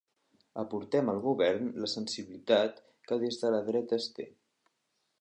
Aportem al govern la sensibilitat que des de la dreta es té.